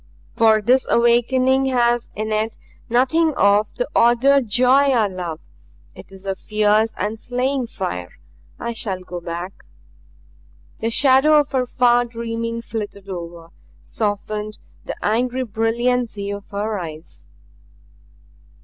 For this awakening has in it nothing of the ordered joy I love it is a fierce and slaying fire. I shall go back " The shadow of her far dreaming flitted over, softened the angry brilliancy of her eyes.